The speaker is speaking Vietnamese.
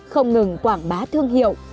không ngừng quảng bá thương hiệu